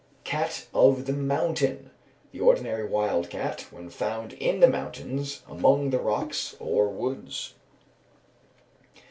_ Cat of the mountain, the ordinary wild cat, when found on the mountains, among the rocks or woods.